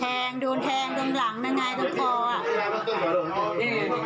แหงดูแหงตรงหลังได้ไงตรงคออ่ะ